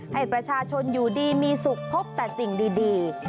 ให้ประชาชนอยู่ดีมีสุขพบแต่สิ่งดี